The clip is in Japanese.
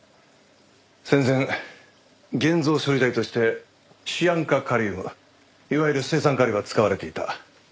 戦前現像処理剤としてシアン化カリウムいわゆる青酸カリは使われていた。